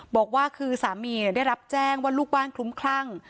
บอกว่าคือสามีได้รับแจ้งว่าลูกบ้านคลุ้มคลั่ง